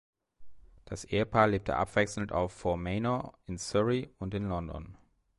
Das Ehepaar lebte abwechselnd auf "Ford Manor" in Surrey und in London.